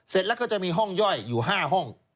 เสร็จแล้วก็จะมีห้องย่อยอยู่๕ห้อง